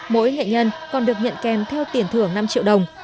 mỗi nghệ nhân còn được nhận kèm theo tiền thưởng năm triệu đồng